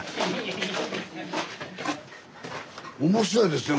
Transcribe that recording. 面白いですね